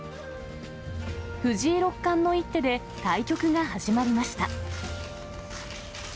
藤井六冠の一手で対局が始まりました。